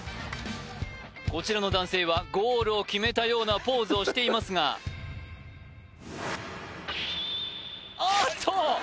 こちらの男性はゴールを決めたようなポーズをしていますがおっと！